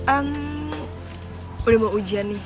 am udah mau ujian nih